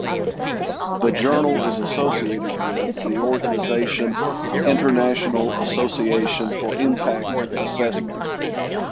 The journal is associated with the organization International Association for Impact Assessment.